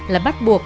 là bắt buộc